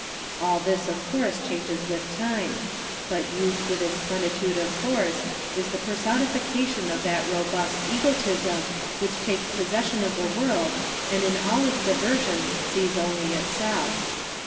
All this of course ges with time; but youth with its plenitude of force is the personi cation of that robust egoism which takes possession of the world and in 96 EXAMINATION OF WITNESSES all its diversions sees only itself.